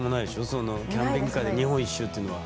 キャンピングカーで日本一周ってのは。